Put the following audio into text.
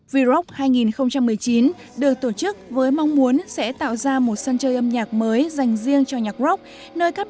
v rock hai nghìn một mươi chín được tổ chức với mong muốn sẽ tạo ra một sân chơi âm nhạc mới dành riêng cho nhạc rock nơi các